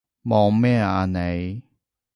望咩啊你？